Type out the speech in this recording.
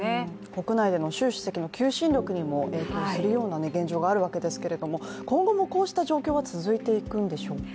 国内での習主席の求心力にも影響するような話ですが今後もこうした状況は続いていくんでしょうか。